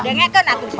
dengan itu kan aku bisa